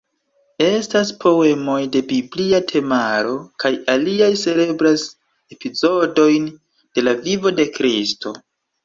Estas poemoj de biblia temaro kaj aliaj celebras epizodojn de la vivo de Kristo.